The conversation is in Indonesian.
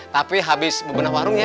tapi habis bebenah warung ya